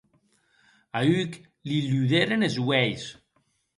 A Huck li luderen es uelhs.